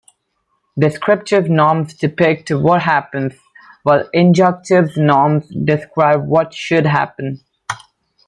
Descriptive norms depict what happens, while injunctive norms describe what "should" happen.